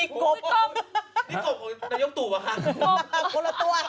กบนี่กบในยกตุ๋วะคะกบคนละตัว